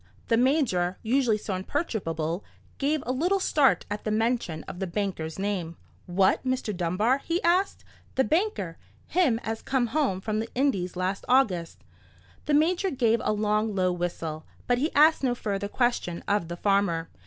The Major, usually so imperturbable, gave a little start at the mention of the banker's name. "What Mr. Dunbar?" he asked. "The banker. Him as come home from the Indies last August." The Major gave a long low whistle; but he asked no further question of the farmer.